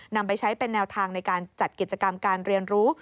นำไปใช้เป็นแนวทางในการจัดกิจกรรมการเรียนรู้